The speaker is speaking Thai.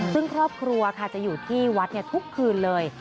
ซึ่งครอบครัวค่ะจะอยู่ที่วัดทุกคืนเลย